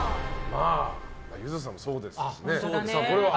ゆずさんもそうですしね。